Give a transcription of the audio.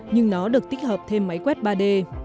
nhưng nó được tích hợp thêm máy quét ba d